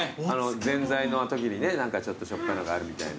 ぜんざいのときに何かちょっとしょっぱいのがあるみたいな。